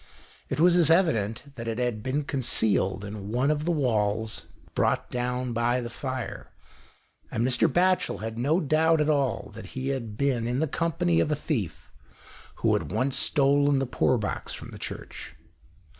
It was as evident that it had been concealed in one of the walls brought down by the fire, and Mr. Batchel had no doubt at all that he had been in the company of a thief, who had once stolen the poor box from the Church.